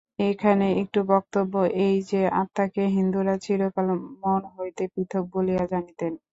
এখানে একটু বক্তব্য এই যে, আত্মাকে হিন্দুরা চিরকাল মন হইতে পৃথক বলিয়া জানিতেন।